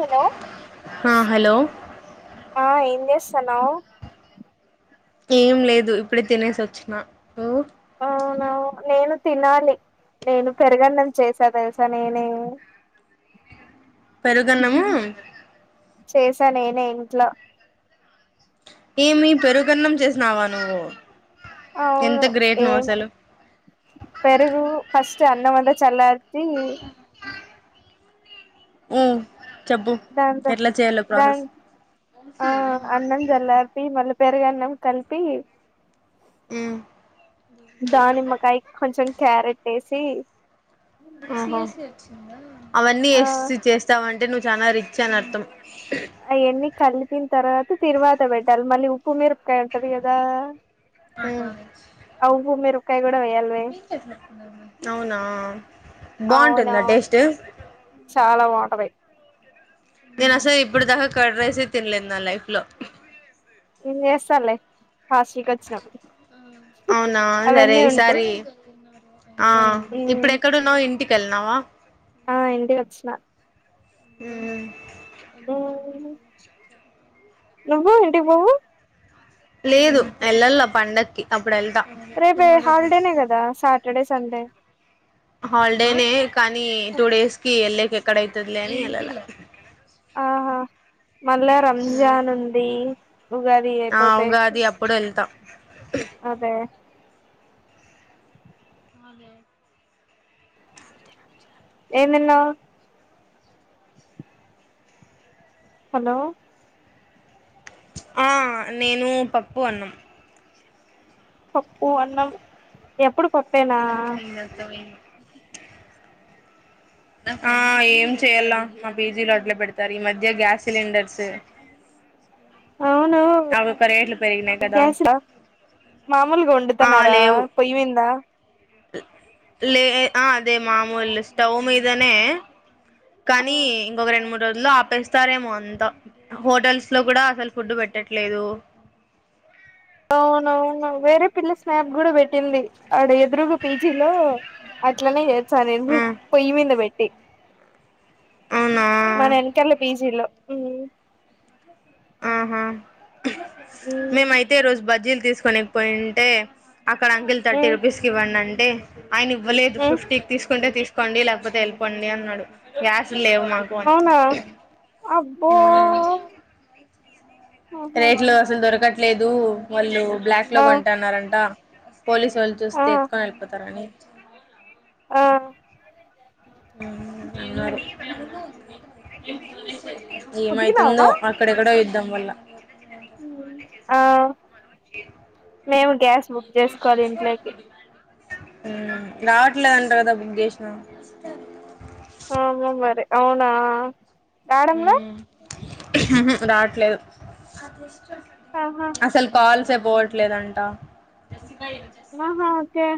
hello ఆ hello ఆ ఏం చేస్తానావ్ ఏం లేదు ఇప్పుడే తినేసి వచ్చిన నువ్వు అవునువును నేను తినాలి నేను పెరుగన్నం చేసా తెలుసా నేనే పెరుగన్నాము చేసా నేనే ఇంట్లో ఏమి పెరుగన్నం చేసినావా నువ్వు ఎంత అవును గ్రేట్ నువ్వు ఏం అసలు పెరుగు ఫస్ చ అన్నం అంతా చల్లర్చి హ్మ్ దాన్ త దాన్ ఆ అన్నం జల్లార్పి మళ్ళ పెర్గన్నం కలిపి హ్మ్ దానిమ్మకాయ్ కొంచం క్యారెట్ వేసి ఓహో ఆ చానా రిచ్ అని అర్థం అయన్నీ కలిపిన తర్వాత తరువాత పెట్టాలి మళ్ళీ ఉప్పు మిరపకాయ ఉంటది కదా ఉమ్ అవు మేరపకాయగు అవునా అవునా బాగుంటుందా టేస్ట్ చాలా బాగుంటది నేను అసలు ఇప్పుడు దాకా కడ్రైసే తినలేదు నా లైఫ్ లో నేను చేస్తా లే హాస్టల్ కి వచ్చినప్పుడు అవునా సరే అవన్నీ ఉంటాయి ఈసారి ఆ ఉమ్ ఇప్పుడేక్కడున్నావ్ ఇంటి వెల్నావ ఆ ఇంటికి వచ్చిన అ ఆ నువ్వు ఇంటికి పొవ్వు లేదు ఎళ్ళలా పండక్కి అప్పుడు వెళ్తా రేపు హాలిడేనే కదా సాటర్డే సండే హాలిడేనే కానీ టూ డేస్ కి వెళ్ళకి ఎక్కడ అయితదిలే అని వెళ్ళాలే ఆహా మళ్ళా రంజాన్ ఉంది ఉగాది ఆ అయిపోతే ఉగాది అప్పుడు ఎళ్తా అదే [unintelligible] ఏం తిన్నావ్ హలో ఆ నేను పప్పు అన్నాం పప్పు అన్నం ఎప్పుడు పప్పేనా ఏం చేద్దామే ఆ ఏం చేయలా మా పీజీ లో అట్లే పెడతారు ఈ మధ్య గ్యాస్ సిలిండర్స్ అవును అవి ఇప్ప రేట్లు పెరిగినాయ్ కదా గ్యాస్ మామూలుగా ఆ వండుతనారా లేవు పోయిమిందా లే అదే మామూలు స్టవ్ మీదనే కానీ ఇంకొక రెండు మూడు రోజులు ఆపేస్తారేమో అంతా హోటల్స్ లో కూడా అసలు ఫుడ్ పెట్ పెట్టట్లేదు అవునువును వేరే పిల్ల స్నాప్ కూడా పెట్టింది ఆడ ఎదురుగు పీజీలో అట్లానే చే సరేండ్రు ఆ పొయ్యి మీంద పెట్టి అవునా మన వెనకల్ల పీజీలో హ్మ్ ఆహా మ్మ్ మేమయితే ఈ రోజు బజ్జీలు తీసుకోనేకిపోయింటే అక్కడ అంకుల్ థర్టీ మ్మ్ రూపీస్కి ఇవ్వండంటే ఆయన ఇవ్వలేదు మ్మ్ ఫిఫ్టీకి తీస్ కుంటే తీసుకోండి లేకపోతే వెళ్ళపోండి అన్నాడు గ్యాస్ లేవు మాకు అని అవునా అబ్బో ఉ ఆహా రేట్ లో అసలు దొరకట్లేదు వాళ్ళు బ్లాక్ లో ఆ కొంటున్నారంట పోలీసు వాళ్ళు ఆ చూస్తే ఎత్కని వెళ్ళిపోతారని ఆ ఉ ఇవ్వడు ఏమైతుందో ఉతికినావా అక్కడెక్కడో యుద్ధం వల్ల ఆ [unintelligible] మేము గ్యాస్ బుక్ చేసుకోవాలి ఇంట్లోకి రావట్లేదంటారు కదా బుక్ చేసినా ఆ మమ్ మరి అవునా ఉ రాడంలా ఉహు రావట్లేదు ఆహా అసలు కాల్సే పోవట్లేదంట ఆహా ఓకే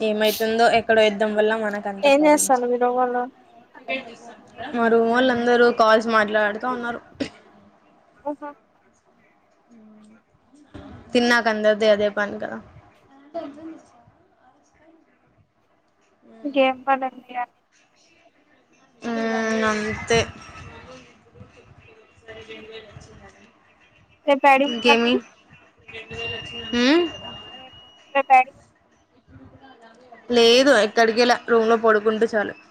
ఉ ఏమైతుందో ఎక్కడో యుద్ధం వల్ల మనకంత ఏం ప్రాబ్లమ్స్ చేస్తాను మీరు వాళ్ళు మరుమొల్లు అందరూ కాల్స్ మాట్లాడుతా ఉన్నారు ఓహో తిన్నాక అందరికి అదేపని కద ఇంకేం పనుంది ఇగ ఊ అంతే రేపు యాడికి పోతన్నావు ఉ రేపు రేప యాటి లేదు ఎక్కడికెలా రూమ్ లో పడుకుంటే చాలు [inaudible]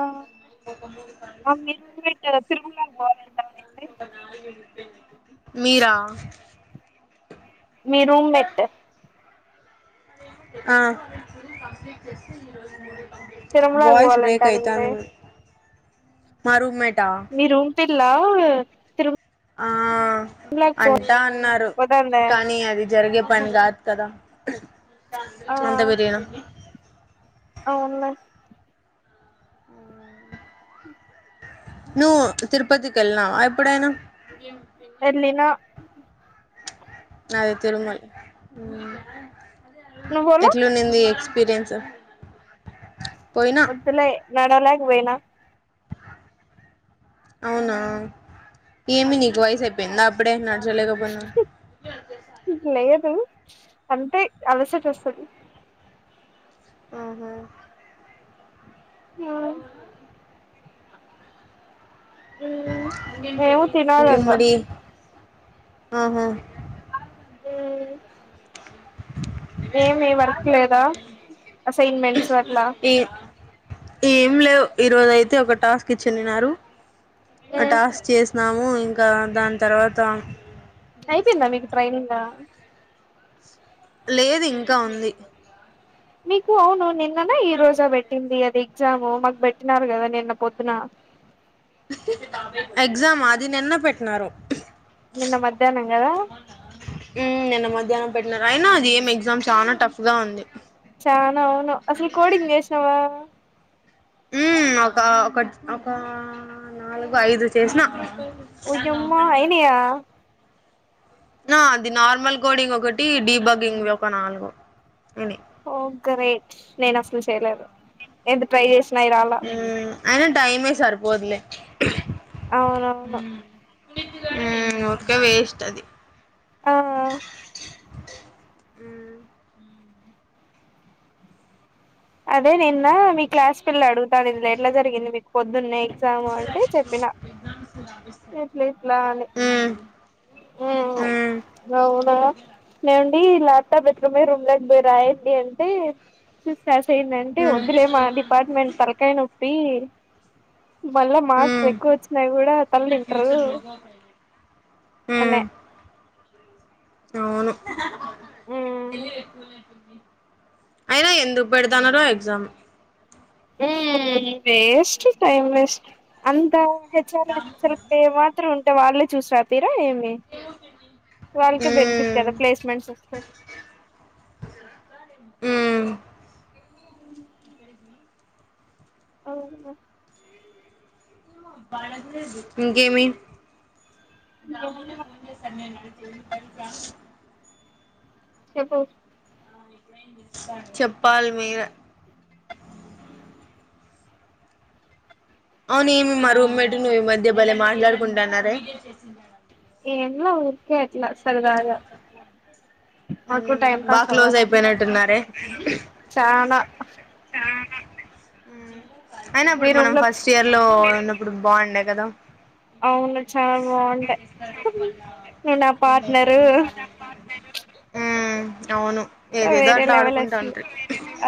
ఆ, ఆ, మీ రూమ్మేట్ తిరుమలకి పోవాలంటాంది మీరా మీ రూమ్ ఎట్ ఆ తిరుమలకి వయిస్ పోవాలంట బ్రేక్ అనింది అయితాంది మా రూమేట్ మీరూమ్ పిల్లా తిరు ఆ అంటా అన్నారు పోతాందా కానీ అది జరిగే ఆహా పని కాదు కదా అంత బిరినా అవునా నువ్వు తిరుపతికి వెళ్ళినావా ఎప్పుడైనా వెళ్ళిన అదే తిరుమల నువ్వు పోలా ఎట్లునింది ఎక్స్పీరిన్స్ వద్దులే నడవలాక పోయినా అవునా ఏమి నీకు వయస అయిపోయిందా అప్పుడే న లేదు అంటే అలసట వస్తది ఆహా ఉమ్, అవును ఉమ్, మేము తినాలి ఇంకేం ఇంగ మరి ఆహా ఉ ఏమి వర్క్ లేదా అసైన్మెంట్స్ అట్ల ఏ ఏం లేవు ఈరోజు అయితే ఒక టాస్క్ ఇచ్చిన్నారు ఆ ఉమ్, టాస్క్ చేసినాము ఇంకా దాని తర్వాత అయిపోయిందా మీకు ట్రైనింగ్ లేదు ఇంకా ఉంది మీకు అవును నిన్ననే ఈ రోజా పెట్టింది అది ఎగ్జాము మాకు పెట్టినారు కదా నిన్న పొద్దున ఎగ్జామా అది నిన్న పెట్టినారు నిన్న మధ్యాహ్నం గాదా ధ్యానం పెట్టినారు అయినా అది ఏం ఎగ్జామ్ చాలా టఫ్ గా ఉంది చానా అవును అసలు కోడింగ్ చేసినవా హ్మ్ ఒక ఒకటి ఒక నాలుగు ఐదు చేసిన వో అమ్మ అయినయా ఆ అది నార్మల్ కోడింగ్ ఒకటి డీ బకింగ్ ఒక నాలుగు ఓ గ్రేట్ నేను అసలు చేయలేదు ఎంత ట్రై చేసినా అయి రాలా మ్మ్ అయినా టైమే సరిపోదులే అవునవును హ్మ్ ఉరుకా వేస్ట్ అది ఆ మ్మ్ అదే నిన్న మీ క్లాస్ పిల్ల అడుగుతాను ఇది ఎట్లా జరిగింది మీకు పొద్దున్నే చాము అంటే చెప్పిన ఇట్లా ఇట్లా అని మ్మ్ ఆ మ్మ్ అవునా నే ల్యాప్టాప్ బట్రూమే రూమ్ కి పో రాయండి అంటే అసైన్మెంట్ మ్మ్ వద్దులే మా డిపార్ట్మెంట్ తలకాయి నొప్పి మళ్ళా మార్కులు మ్మ్ ఎక్కువ వచ్చినాయి కూడా తల్ల తంటారు అనే మ్మ్ అవును అయినా ఎందుకు పెడతాన్నార ఎగ్జామ్ హ్మ్ వేస్ట్ టైమ్ వేస్ట్ అంతా హెచ్చారు చర మాత్ర వాళ్ళే చూసి రాపి ఏ వాళ్ళక బెనిఫిట్ మ్మ్ కదా ప్లేస్మెంట్స్ వస్తాయి హ్మ్ అవును ఇంకేమి ఏ పకా చెప్పు చెప్పాలి మీరే అవునమి మా రూమ్మేట్ నువ ఈ మధ్య భలే మాట్లాడుకుంటున్నారే ఏం లా ఊరికే అట్లా సరదగా మాకు మ్మ్ టైమ్ పాస్ బాగా క్లోజ్ అవాలాండి అయిపోయినట్టున్నారే చనా అ మ్మ్ అయినా ఇప్పుడు మనం లో ఫస్ట్ ఇయర్ లో ఉన్నప్పుడు బాగుండే కదా అవును చాలా బాగుండే నేను హ్మ్ వేరే లెవల్ అసలు ఆడుకుంటాంట్రి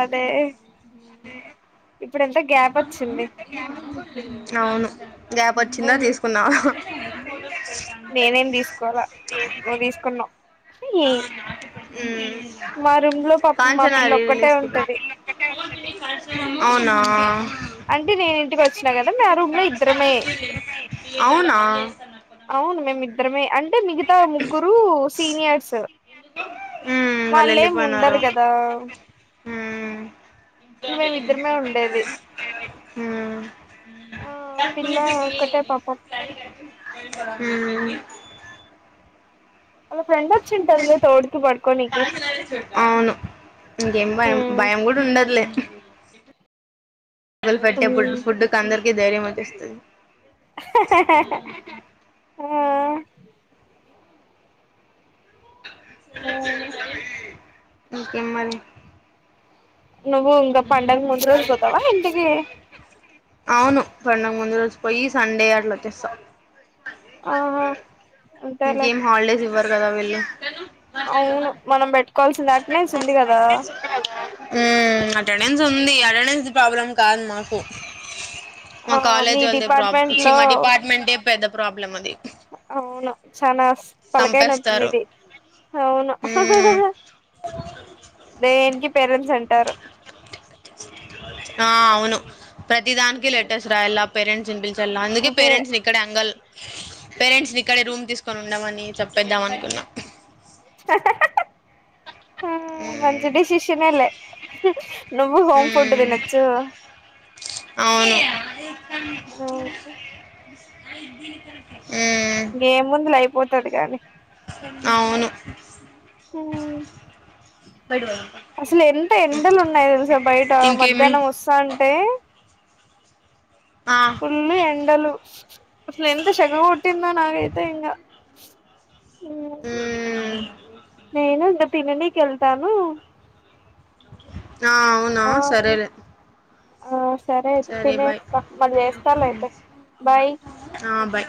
అదే ఇప్పుడు ఎంత గ్యాప్ వచ్చింది అవును గ్యాప్ వచ్చిందా తీసుకున్నావు నేనేం తీసుకోలా నువ్వు తీసుకున్నావు ఏ ఉమ్ మా పిల్ల కాంచనారి లో ఒక్కటే తిస్కో ఉంటది అవునా అంటే నేను ఇంటికి వచ్చినా కదా మా రూమ్ లో ఇద్దరమే అవునా అవును మేమి ఇద్దరమే అంటే మిగతా ముగ్గురు సీనియర్స్ ఉమ్ వాళ్ళు ఏమి వెళ్ళిపోయినారు ఉండరు కదా ఉమ్ మేము ఇద్దరమే ఉండేది ఆ పిల్ల ఒక్కటే ఉమ్ పాపం ఉమ్ ఒక ఫ్రెండ్ వచ్చి ఉంటారు లే తోడుకి పడుకోనికి అవును ఇంకేం ఆ భయం భయం కూడా ఉండదులే మొదలు పెట్టే ఫుడ్డుకు అందరికీ ధైర్యం వచ్చేస్తుంది ఉమ్ ఓకే మరి నువ్వు ఇంకా పండగ ముందు రోజు పోతవా ఇంటికి అవును పండగ ముందు రోజు పోయి సండే అట్లా వచ్చేస్తా ఆహా అంతేలే ఇకేం హాలిడేస్ ఇవ్వారు కదా వీళ్ళు అవును మనం పెట్టుకోవాల్సి దే అటినేన్స్ ఉంది కదా ఉమ్ అటెండెన్స్ ఉంది అటెండెన్స్ ప్రాబ్లం కాదు మాకు మా ఆ కాలేజ్ మీ వాళ్ళదే డిపార్ట్మెంట్ ప్రాబ్లం లో మా డిపార్ట్మెంట్ ఏ పెద్ద ప్రాబ్లం అది అవును చనా తలకాయ నొప్పి చంపేస్తారు మీది అవును మ్మ్ దేనికి పేరెంట్స్ అంటారు ఆ అవును ప్రతిదానికి లెటర్స్ రాయలా పేరెంట్స్ నీ పిలీపి వెల్ అందుకే అదే పేరెంట్స్ ని ఇక్కడ ఎంగల్ పేరెంట్స్ నీ ఇక్కడే రూమ్ తీసుకొని ఉండమని చెప్పేద్దాం అనుకున్నా ఉమ్ మంచి డిసిషన్ ఏలే నువ్వు హోమ్ ఫుడ్ మ్మ్ తినోచ్చు అవును మ్మ్ ఇంకే ముందిలే అయిపోతది కాగాని అవును హమ్ పడువా అసలు ఎంత ఎండలు ఉన్నాయి తెలుసా బయట ఇంకేమి మధ్యాహ్నం వస్తా అంటే ఆ ఫుల్లు ఎండలు అసలు ఎంత సెగ గొట్టిందో నాగైతే ఇంగా మ్మ్ నేను ఇగ తిననికి వెళ్తాను నా అవునా ఆ సరేలే ఆ సరే అయితే తినేసి మళ్ళీ చేస్తాలే అయితే బాయ్ ఆ బాయ్